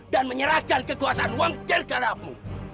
dan menyerahkan kekuasaan wangkernya kepadamu